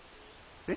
えっ？